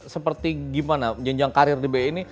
seperti gimana jenjang karir di be ini